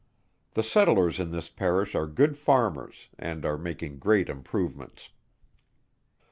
The settlers in this Parish are good farmers, and are making great improvements.